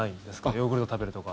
ヨーグルトを食べるとか。